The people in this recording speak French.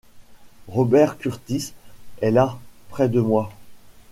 Robert Kurtis est là, près de moi.